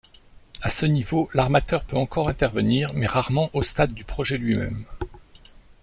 À ce niveau, l'armateur peut encore intervenir, mais rarement au stade du projet lui-même.